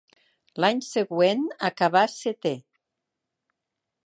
L'any següent acabà setè.